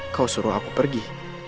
kau suruh aku pergi